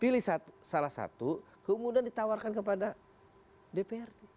pilih salah satu kemudian ditawarkan kepada dprd